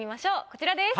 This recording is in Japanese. こちらです。